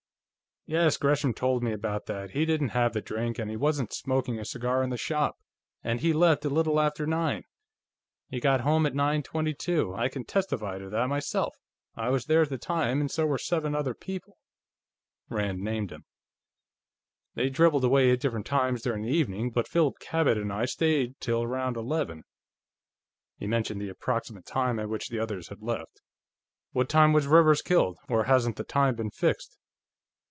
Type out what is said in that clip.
"Yes, Gresham told me about that. He didn't have the drink, and he wasn't smoking a cigar in the shop, and he left a little after nine. He got home at nine twenty two. I can testify to that, myself; I was there at the time, and so were seven other people." Rand named them. "They dribbled away at different times during the evening, but Philip Cabot and I stayed till around eleven." He mentioned the approximate time at which the others had left. "What time was Rivers killed, or hasn't the time been fixed?"